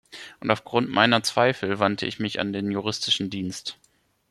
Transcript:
Und aufgrund meiner Zweifel wandte ich mich an den Juristischen Dienst.